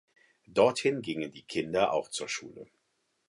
Dorthin gingen die Kinder auch zur Schule.